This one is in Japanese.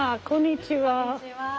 こんにちは。